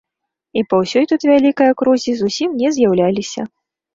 І па ўсёй тут вялікай акрузе зусім не з'яўляліся.